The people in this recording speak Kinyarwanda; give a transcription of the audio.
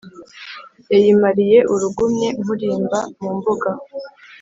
yayimariye urugumye nkurimba-mu-mbuga